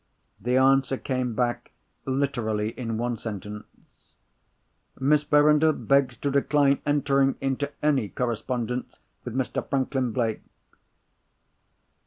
The answer came back, literally in one sentence. "Miss Verinder begs to decline entering into any correspondence with Mr. Franklin Blake."